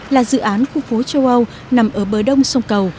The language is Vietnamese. là dự án khu phố châu âu nằm ở bờ đông sông cầu